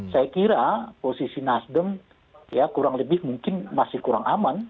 saya kira posisi nasdem ya kurang lebih mungkin masih kurang aman